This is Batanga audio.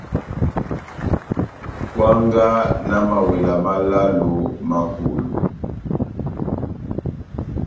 Kwangaha na mawela málálo má kolo.